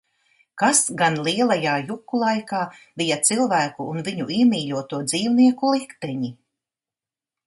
Kas gan lielajā juku laikā bija cilvēku un viņu iemīļoto dzīvnieku likteņi?